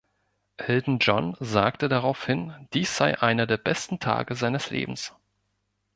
Elton John sagte daraufhin, dies sei einer der besten Tage seines Lebens.